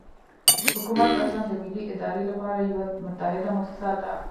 حکومت اصلاً د ملي ادارې لپاره یوه متحده موسسه ده.